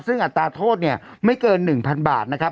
ซึ่งอัตราโทษเนี่ยไม่เกิน๑๐๐๐บาทนะครับ